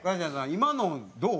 今のどう？